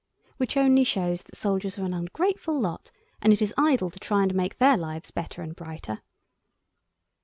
Which only shows that soldiers are an ungrateful lot, and it is idle to try and make their lives better and brighter.